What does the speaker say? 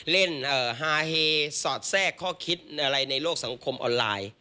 ฮาเฮสอดแทรกข้อคิดอะไรในโลกสังคมออนไลน์